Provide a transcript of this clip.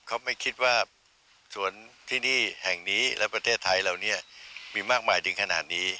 เขาไม่คิดว่าสวนที่นี่แห่งนี้และประเทศไทยเหล่านี้มีมากมายถึงขนาดนี้